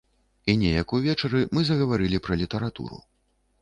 І неяк увечары мы загаварылі пра літаратуру.